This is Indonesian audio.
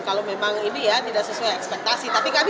kalau memang ini ya tidak sesuai ekspektasi